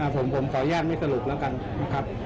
ผมขออนุญาตไม่สรุปแล้วกันนะครับ